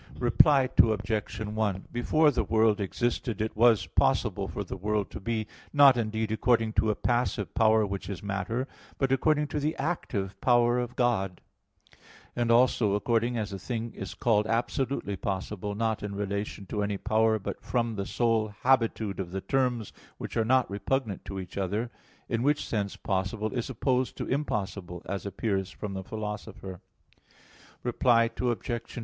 Reply Obj. 1: Before the world existed it was possible for the world to be, not, indeed, according to a passive power which is matter, but according to the active power of God; and also, according as a thing is called absolutely possible, not in relation to any power, but from the sole habitude of the terms which are not repugnant to each other; in which sense possible is opposed to impossible, as appears from the Philosopher (Metaph. v, text 17). Reply Obj.